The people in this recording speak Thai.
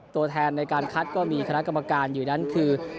ตัวแทนในการคัดก็มีคณะกรรมการอยู่นั้นคือ